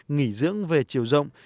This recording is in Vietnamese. nghỉ dưỡng về chiều rộng